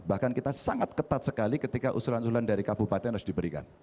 bahkan kita sangat ketat sekali ketika usulan usulan dari kabupaten harus diberikan